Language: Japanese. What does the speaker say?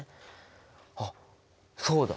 あっそうだ！